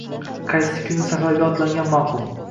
Qaysi kuni safarga otlangan maʼqul?